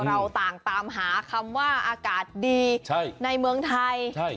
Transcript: เราต่างตามหาคำว่าอากาศดีในเมืองไทย